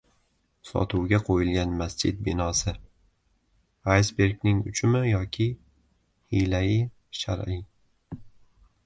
Sotuvga qo‘yilgan masjid binosi: «aysberg»ning uchimi yoki «hiylai shar’iy»?